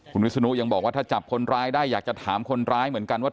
คุณวิศนุยังบอกว่าถ้าจับคนร้ายได้อยากจะถามคนร้ายเหมือนกันว่า